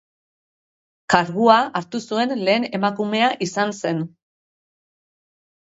Kargua hartu zuen lehen emakumea izan zen.